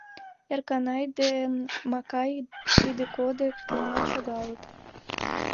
Эрканай ден Макай кыде-кодо кынел шогалыт.